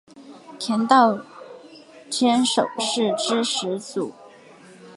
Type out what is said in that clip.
田道间守是之始祖。